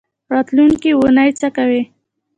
راتلونکۍ اونۍ څه کوئ؟